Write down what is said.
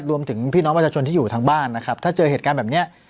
พี่น้องประชาชนที่อยู่ทางบ้านนะครับถ้าเจอเหตุการณ์แบบนี้